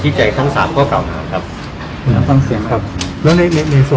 พี่แจงในประเด็นที่เกี่ยวข้องกับความผิดที่ถูกเกาหา